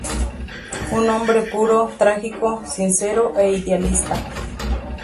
Un hombre puro, trágico, sincero e idealista.